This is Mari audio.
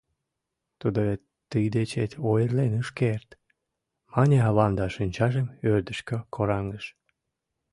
— Тудо вет тый дечет ойырлен ыш керт... — мане авам да шинчажым ӧрдыжкӧ кораҥдыш.